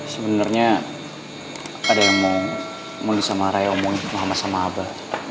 sebenernya ada yang mau disamaraya umum sama sama aba